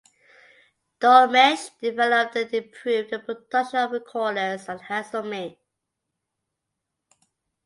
Dolmetsch developed and improved the production of recorders at Haslemere.